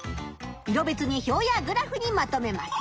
色別に表やグラフにまとめます。